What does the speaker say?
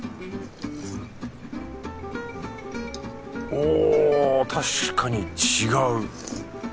おお確かに違う。